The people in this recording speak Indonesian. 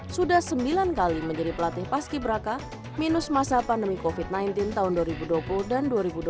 sudah sembilan kali menjadi pelatih paski beraka minus masa pandemi covid sembilan belas tahun dua ribu dua puluh dan dua ribu dua puluh satu